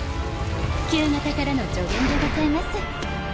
旧型からの助言でございます。